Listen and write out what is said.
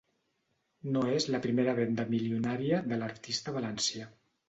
No és la primera venda milionària de l’artista valencià.